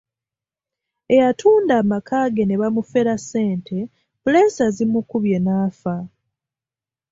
Eyatunda amaka ge ne bamufera ssente puleesa zimukubye n’afa.